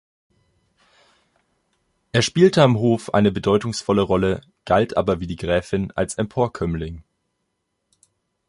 Er spielte am Hof eine bedeutungsvolle Rolle, galt aber wie die Gräfin als Emporkömmling.